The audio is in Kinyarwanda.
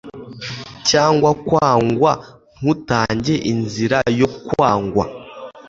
Cyangwa kwangwa ntutange inzira yo kwanga